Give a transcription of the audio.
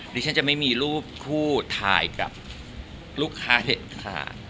ดิฉันจะไม่มีรูปคู่ถ่ายกับลูกค้าเด็ดขาด